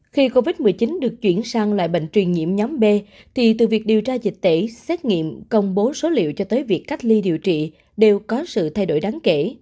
khi covid một mươi chín được chuyển sang loại bệnh truyền nhiễm nhóm b thì từ việc điều tra dịch tễ xét nghiệm công bố số liệu cho tới việc cách ly điều trị đều có sự thay đổi đáng kể